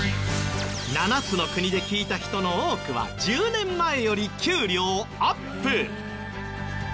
７つの国で聞いた人の多くは１０年前より給料アップ！